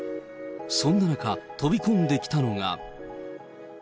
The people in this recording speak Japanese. そんな中、飛び込んできたのが。